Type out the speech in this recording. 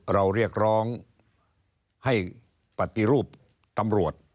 เราเรียกร้องให้ปฏิรูปตำรวจ